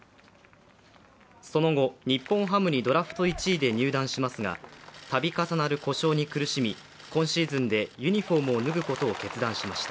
その後、日本ハムにドラフト１位で入団しますが、度重なる故障に苦しみ、今シーズンでユニフォームを脱ぐことを決断しました。